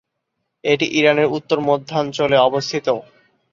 এটি ইরানের উত্তর-মধ্যাঞ্চলে অবস্থিত।